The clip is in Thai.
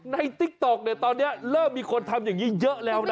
ติ๊กต๊อกเนี่ยตอนนี้เริ่มมีคนทำอย่างนี้เยอะแล้วนะ